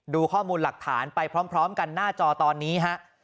ดูข้อมูลหลักฐานไปพร้อมกันหน้าจอตอนนี้ฮะ